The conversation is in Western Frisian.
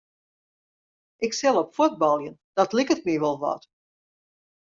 Ik sil op fuotbaljen, dat liket my wol wat.